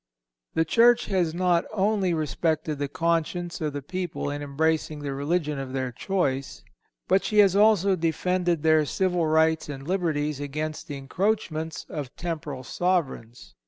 The Church has not only respected the conscience of the people in embracing the religion of their choice, but she has also defended their civil rights and liberties against the encroachments of temporal sovereigns.